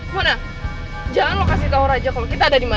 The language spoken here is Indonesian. mana jangan lo kasih tau raja kalau kita ada dimana